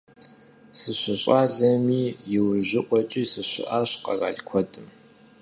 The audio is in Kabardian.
СыщыщӀалэми иужьыӀуэкӀи сыщыӀащ къэрал куэдым.